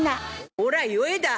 おら、よえだ。